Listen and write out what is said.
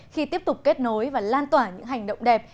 khi tiếp tục kết nối và lan tỏa những hành động đẹp